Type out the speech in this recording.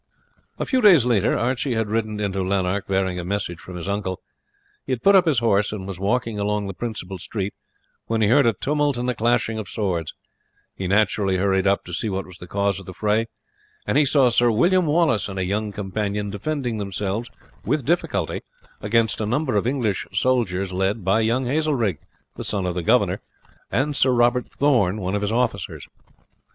A few days later Archie had ridden into Lanark bearing a message from his uncle; he had put up his horse, and was walking along the principal street when he heard a tumult and the clashing of swords; he naturally hurried up to see what was the cause of the fray, and he saw Sir William Wallace and a young companion defending themselves with difficulty against a number of English soldiers led by young Hazelrig, the son of the governor, and Sir Robert Thorne, one of his officers.